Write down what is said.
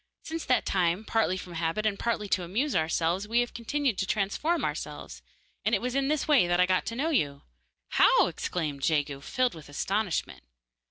Since that time, partly from habit and partly to amuse ourselves, we have continued to transform ourselves, and it was in this way that I got to know you.' 'How?' exclaimed Jegu, filled with astonishment.